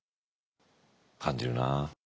感じるな。